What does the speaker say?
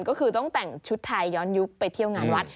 ก็คือต้องแต่งชุดไทยย้อนยุคไปเที่ยวงานวัด